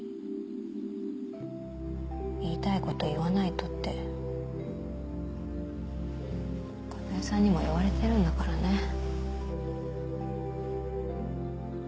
「言いたいこと言わないと」って香苗さんにも言われてるんだからね。